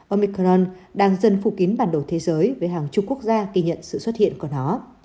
omicron đang dần phủ kín bản đồ thế giới với hàng chục quốc gia ghi nhận sự xuất hiện của nó